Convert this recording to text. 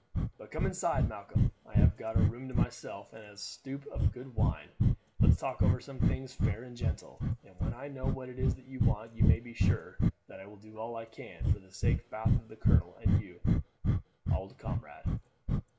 But come inside, Malcolm. I have got a room to myself and a stoup of good wine; let's talk over things fair and gentle, and when I know what it is that you want you may be sure that I will do all I can, for the sake baith of the colonel and of you, auld comrade."